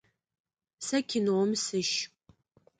Сэ кинэум сыщ.